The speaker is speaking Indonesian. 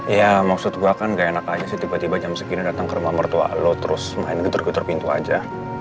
ya maksud gue kan gak enak aja sih tiba tiba jam segini datang ke rumah mertua lo terus main getar getar pintu aja